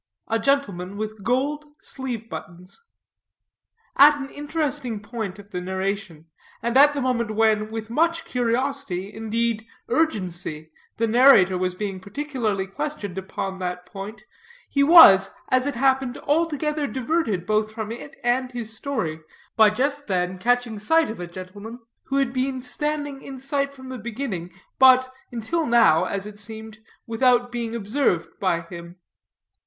A GENTLEMAN WITH GOLD SLEEVE BUTTONS. At an interesting point of the narration, and at the moment when, with much curiosity, indeed, urgency, the narrator was being particularly questioned upon that point, he was, as it happened, altogether diverted both from it and his story, by just then catching sight of a gentleman who had been standing in sight from the beginning, but, until now, as it seemed, without being observed by him.